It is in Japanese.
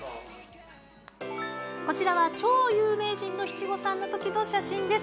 こちらは超有名人の七五三のときの写真です。